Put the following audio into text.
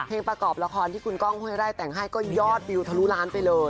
เพียงประกอบละครที่คุณกล้องก็ให้ยอดอย่างไปเลย